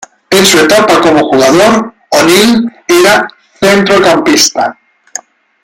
En su etapa como jugador, O'Neill era centrocampista.